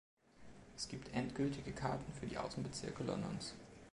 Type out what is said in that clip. Es gibt endgültige Karten für die Außenbezirke Londons.